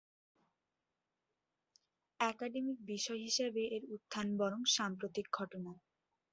Academic বিষয় হিসাবে এর উত্থান বরং সাম্প্রতিক ঘটনা।